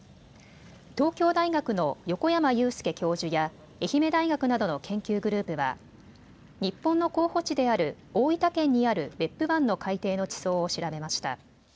東京大学の横山祐典教授や愛媛大学などの研究グループは日本の候補地である大分県にある別府湾の海底の地層を調べました。